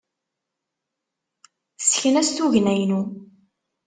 Tessken-as tugna-inu.